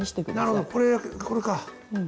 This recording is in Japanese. なるほどこれこれか。